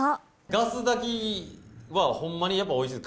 ガス炊きは、ほんまにやっぱおいしい。